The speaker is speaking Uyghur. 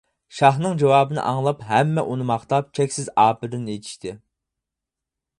شاھنىڭ جاۋابىنى ئاڭلاپ ھەممە ئۇنى ماختاپ چەكسىز ئاپىرىن ئېيتىشتى.